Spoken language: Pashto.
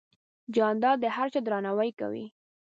جانداد د هر چا درناوی کوي.